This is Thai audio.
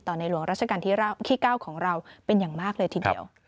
ในหลวงราชการที่๙ของเราเป็นอย่างมากเลยทีเดียว